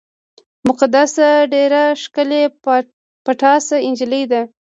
مقدسه ډېره ښکلې پټاسه جینۍ ده